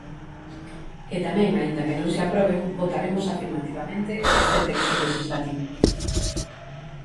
E tamén, aínda que non se aproben, votaremos afirmativamente este texto lexislativo.